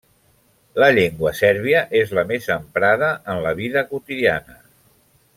La llengua sèrbia és la més emprada en la vida quotidiana.